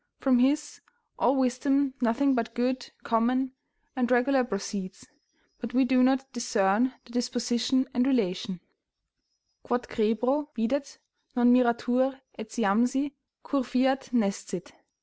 From His all wisdom nothing but good, common; and regular proceeds; but we do not discern the disposition and relation: "Quod crebro videt, non miratur, etiamsi, cur fiat, nescit.